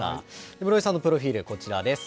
室井さんのプロフィール、こちらです。